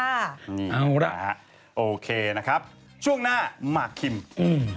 นี่แหละฮะโอเคนะครับช่วงหน้ามาร์คคิมอืมอืมอืม